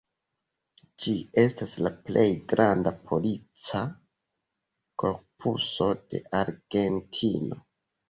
Ĝi estas la plej granda polica korpuso de Argentino.